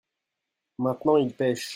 maintenant ils pêchent.